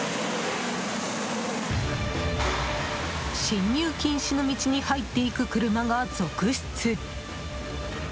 進入禁止の道に入っていく車が続出！